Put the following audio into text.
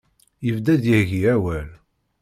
Yebda-d yagi awal.